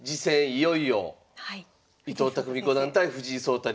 いよいよ伊藤匠五段対藤井聡太